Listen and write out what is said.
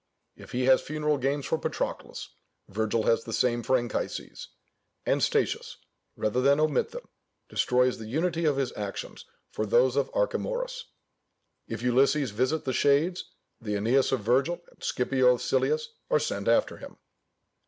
If he has funeral games for Patroclus, Virgil has the same for Anchises, and Statius (rather than omit them) destroys the unity of his actions for those of Archemorus. If Ulysses visit the shades, the Æneas of Virgil and Scipio of Silius are sent after him.